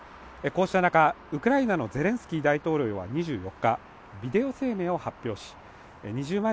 こうした中ウクライナのゼレンスキー大統領は２４日ビデオ声明を発表しえー